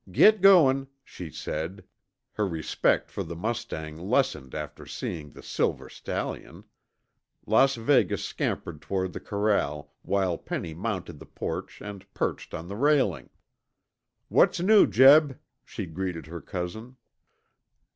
"Get going," she said, her respect for the mustang lessened after seeing the silver stallion. Las Vegas scampered toward the corral while Penny mounted the porch and perched on the railing. "What's new, Jeb?" she greeted her cousin.